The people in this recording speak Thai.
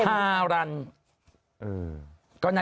ฮารัน